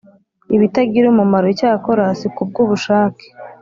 ibitagira umumaro Icyakora si ku bw ubushake